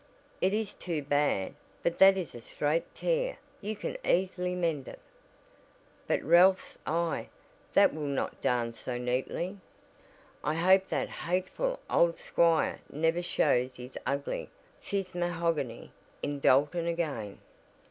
"It is too bad, but that is a straight tear. You can easily mend it." "But Ralph's eye; that will not darn so neatly. I hope that hateful old squire never shows his ugly 'phiz mahogony' in Dalton again."